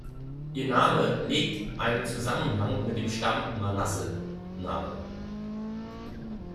Ihr Name legt einen Zusammenhang mit dem Stamm Manasse nahe.